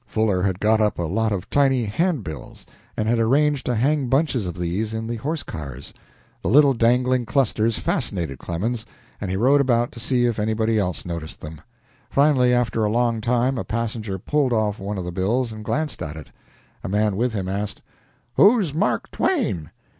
Fuller had got up a lot of tiny hand bills, and had arranged to hang bunches of these in the horse cars. The little dangling clusters fascinated Clemens, and he rode about to see if anybody else noticed them. Finally, after a long time, a passenger pulled off one of the bills and glanced at it. A man with him asked: "Who's Mark Twain?"